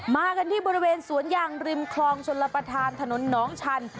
มากันที่บริเวณสวนยางริมคลองชนรับประทานถนนน้องชัน